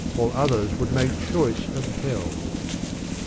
All others would make choice of Hell.